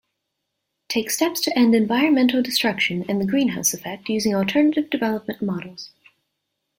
Take steps to end environmental destruction and the greenhouse effect using alternative development models.